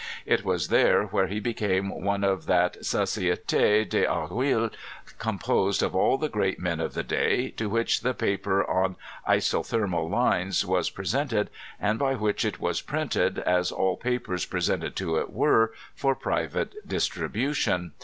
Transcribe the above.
It was there where he became one of that Society d 7 Arcueil, com posed of all the great men of the day, to which the paper on "Isothermal Lines 77 was presented, and by which it was printed, as all papers presented to it were, for private distribution.